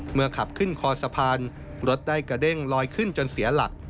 ขับขึ้นคอสะพานรถได้กระเด้งลอยขึ้นจนเสียหลัก